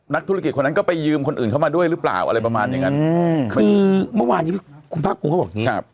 นักธุรกิจคนนั้นก็ไปยืมคนอื่นเข้ามาด้วยหรือเปล่าอะไรประมาณอย่างนั้นคือเมื่อวานนี้คุณภาคภูมิเขาบอกอย่างนี้